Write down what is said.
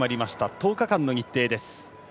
１０日間の日程です。